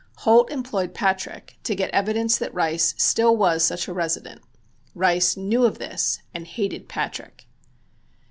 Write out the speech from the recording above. Holt employed Patrick to get evidence that Rice still was such a resident. Rice knew of this and hated Patrick.